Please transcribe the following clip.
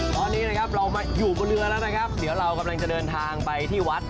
ตอนนี้นะครับเรามาอยู่บนเรือแล้วนะครับเดี๋ยวเรากำลังจะเดินทางไปที่วัด